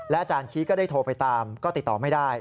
อาจารย์คี้ก็ได้โทรไปตามก็ติดต่อไม่ได้